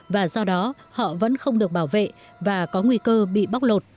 và do đó họ vẫn không được bảo vệ và có nguy cơ bị bóc lột